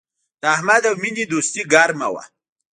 د احمد او مینې دوستي گرمه وه